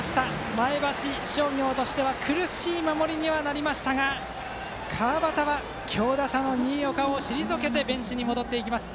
前橋商業としては苦しい守りにはなりましたが川端は強打者の新岡を退けてベンチに向かいました。